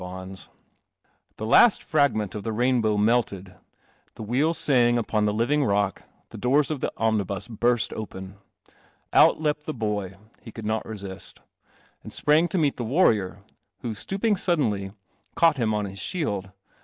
B The last fragment of the rainbow melted, the wheels the living rock, the door :: mnibus burst open. Out leapt the . —he Could not resist — ami Sprang to meet the warrior, wh . i Idenly, caught him on his shield.